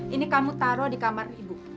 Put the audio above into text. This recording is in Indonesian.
ini kamu taruh di kamar ibu